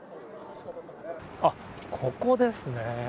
あっ、ここですね。